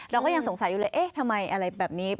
เราก็สงสัยอยู่เลยทำไมอะไรแบบนี้